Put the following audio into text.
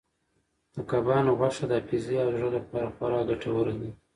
د کبانو غوښه د حافظې او زړه لپاره خورا ګټوره ده.